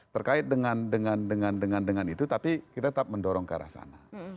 terkait dengan dengan dengan dengan dengan itu tapi kita tetap mendorong ke arah sana